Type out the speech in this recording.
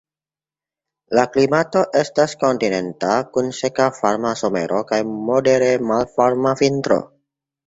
La klimato estas kontinenta, kun seka varma somero kaj modere malvarma vintro.